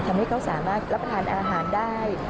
ทำให้เขาสามารถรับประทานอาหารได้